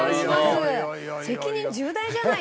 責任重大じゃないですか。